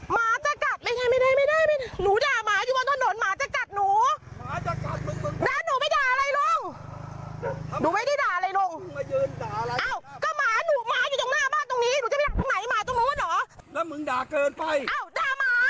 หมานี่หมาใครหมาลุงใช่ไหม